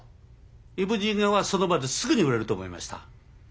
「イムジン河」はその場ですぐに売れると思いました。